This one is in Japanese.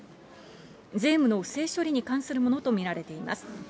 税務の不正処理に関するものと見られています。